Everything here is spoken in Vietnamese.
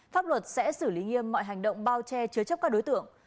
pháp luật sẽ xử lý nghiêm mọi hành động bao che chứa chấp các đối tượng